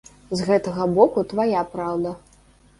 З гэтага боку твая праўда.